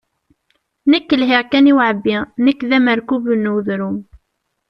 Nekk lhiɣ kan i uɛebbi, nekk d amerkub n udrum.